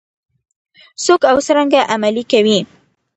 څوک او څرنګه عملي کوي؟